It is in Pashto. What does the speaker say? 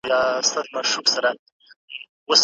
نن په ما پسي یو بل څوک را روان دی